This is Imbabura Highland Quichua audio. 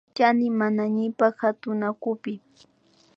Chani manañipak katunawkupi